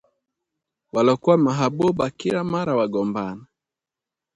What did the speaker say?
Walokuwa mahabuba, kila mara wagombana